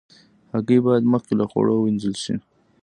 هګۍ باید مخکې له خوړلو وینځل شي.